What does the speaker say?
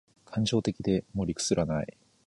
感情的で、もう理屈ですらない